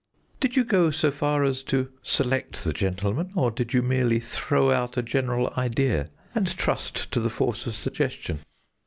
"Did you go as far as to select the gentleman, or did you merely throw out a general idea, and trust to the force of suggestion?"